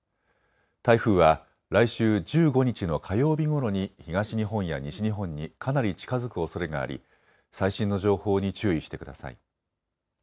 台風は来週１５日の火曜日ごろに東日本や西日本にかなり近づくおそれがあり最新の情報に注意してください。